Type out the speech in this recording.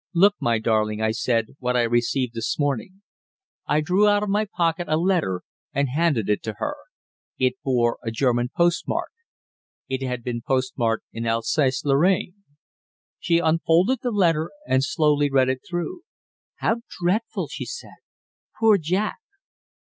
"Look, my darling," I said, "what I received this morning." I drew out of my pocket a letter, and handed it to her. It bore a German postmark. It had been posted in Alsace Lorraine. She unfolded the letter, and slowly read it through. "How dreadful," she said. "Poor Jack!"